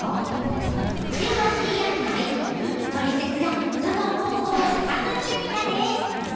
「トリセツ」がその方法を探ってみたで！